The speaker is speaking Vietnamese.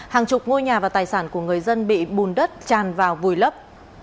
hàng chục ngôi nhà và tài sản của người dân bị bùn đất tràn vào vùi lấp